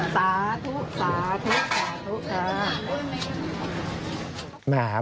สาธุสาธุสาธุค่ะ